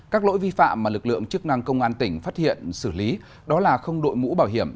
các lỗi vi phạm mà lực lượng chức năng công an tỉnh phát hiện xử lý đó là không đội mũ bảo hiểm